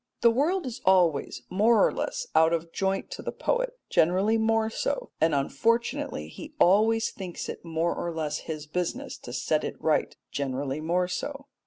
The world is always more or less out of joint to the poet generally more so; and unfortunately he always thinks it more or less his business to set it right generally more so.